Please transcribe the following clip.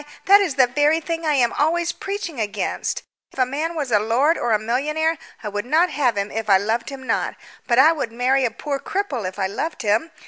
that is the very thing I am always preaching against. If a man was a lord or a millionaire I would not have him if I loved him not, but I would marry a poor cripple if I loved him.